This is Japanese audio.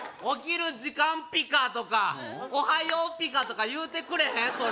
「起きる時間ピカ」とか「おはようピカ」とか言うてくれへん？